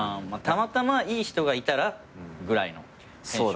たまたまいい人がいたらぐらいのテンション？